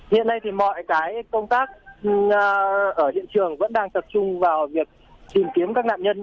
hiện nay thì mọi cái công tác ở hiện trường vẫn đang tập trung vào việc tìm kiếm các nạn nhân